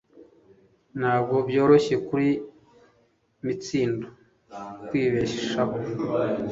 Ntabwo byoroshye kuri Mitsindo kwibeshaho